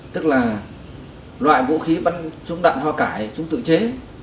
tức là loại vũ khí bắn chúng đạn hoa cải chúng tự chế